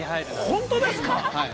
◆本当ですか。